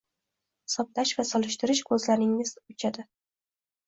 Hisoblash va solishtirish, ko'zlaringiz o'chadi